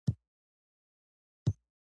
دا کار ټولنیز مقصدونه هم لرل.